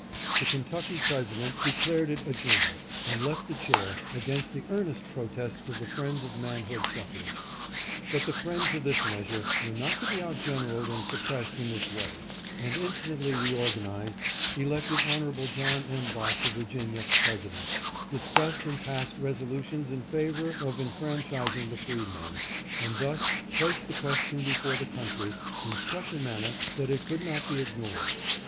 The Kentucky president declared it adjourned, and left the chair, against the earnest protests of the friends of manhood suffrage. But the friends of this measure were not to be out generaled and suppressed in this way, and instantly reor ganized, elected Hon. John M. Botts of Virginia president, discussed and passed resolutions in favor of enfranchising the freedmen, and thus placed the question before the country in such a manner that it could not be ignored.